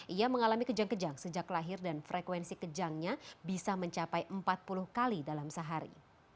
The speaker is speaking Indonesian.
ia mengalami kejang kejang sejak lahir dan frekuensi kejangnya bisa mencapai empat puluh kali dalam sehari